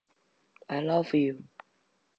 嵯峨御流是以嵯峨天皇为开祖的华道之一派。